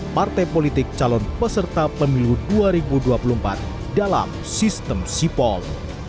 partai politik calon peserta pemilu dua ribu dua puluh empat dalam sistem sipol